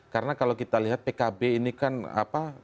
karena kalau kita lihat pkb ini kan apa